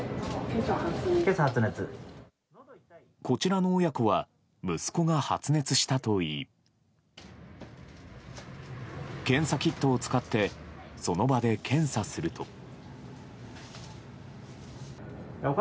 こちらの親子は息子が発熱したといい検査キットを使ってその場で検査すると。